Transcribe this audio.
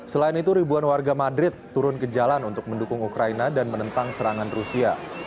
selain itu ribuan warga madrid turun ke jalan untuk mendukung ukraina dan menentang serangan rusia